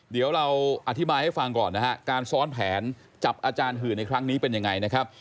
เดี๋ยวเราอธิบายให้ฟังก่อนนะฮะการซ้อนแผนจับอาจารย์หื่นในครั้งนี้เป็นยังไงนะครับ